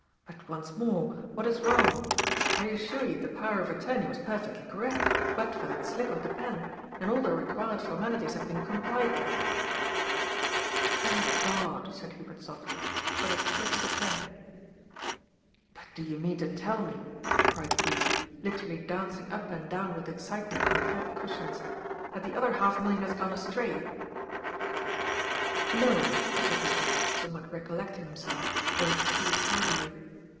But, once more, what is wrong ? I assure you the Power of Attorney was perfectly correct, but for that slip of the pen, and all the required forjnalities had been com plied with." 406 GOD'S POOL. <« Thank God," said Hubert sofUy, '' for that dip of the pen." •^' But do yon mean to tell me," cried B., literally danc ing up and down with excitement on the cab cushions, *^ that the other half million has gone astiyy ?" ^^No," said Hubert, somewhat recollecting himself, though too tardily.